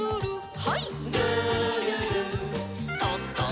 はい。